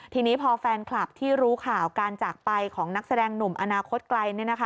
ทีนี้พอแฟนคลับที่รู้ข่าวการจากไปของนักแสดงหนุ่มอนาคตไกล